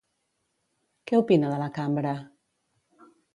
Què opina de la cambra?